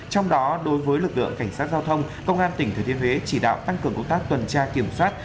trong đó đối với lực lượng cảnh sát giao thông công an tỉnh thừa thiên huế chỉ đạo tăng cường công tác tuần tra kiểm soát